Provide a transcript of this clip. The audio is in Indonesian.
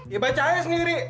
ya baca aja sendiri